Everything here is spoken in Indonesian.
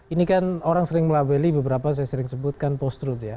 ini kan orang sering melabeli beberapa saya sering sebutkan post truth ya